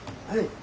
はい。